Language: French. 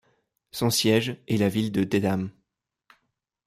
Son siège est la ville de Dedham.